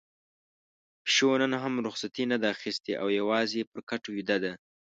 پيشو نن هم رخصتي نه ده اخیستې او يوازې پر کټ ويده ده.